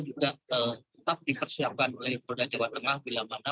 juga tetap dipersiapkan oleh polda jawa tengah bila mana